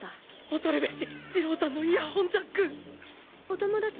恐るべし耳郎さんのイヤホンジャックお友達？